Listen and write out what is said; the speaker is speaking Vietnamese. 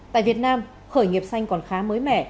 tại việt nam khởi nghiệp xanh còn khá mới mẻ